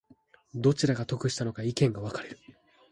どちらが得したのか意見が分かれる